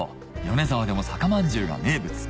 米沢でも酒まんじゅうが名物